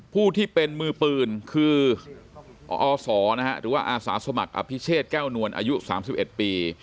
ผู้ที่เป็นมือปืนคืออศหรือว่าอาสาสมัครอภิเชษแก้วนวลอายุ๓๑ปี